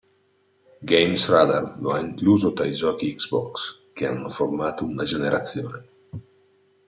GamesRadar lo ha incluso tra i giochi Xbox che "hanno formato una generazione".